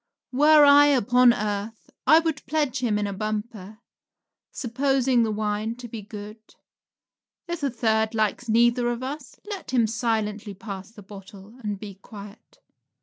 Were I upon earth I would pledge him in a bumper, supposing the wine to be good. If a third likes neither of us, let him silently pass the bottle and be quiet.